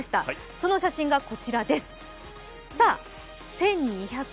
その写真がこちらです。